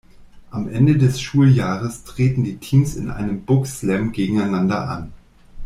Am Ende des Schuljahres treten die Teams in einem Book Slam gegeneinander an.